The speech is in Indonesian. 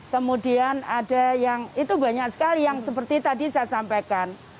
kemudian ada yang itu banyak sekali yang seperti tadi saya sampaikan